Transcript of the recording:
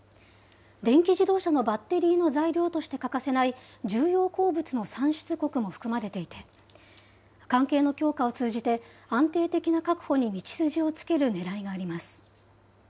電気自動車のバッテリーの材料として欠かせない重要鉱物の産出国も含まれていて、関係の強化を通じて、安定的な確保に道筋をつけるねらいがあります。